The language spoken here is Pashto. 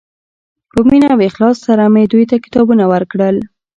په مینه او اخلاص سره مې دوی ته کتابونه ورکړل.